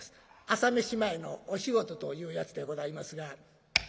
朝飯前のお仕事というやつでございますが。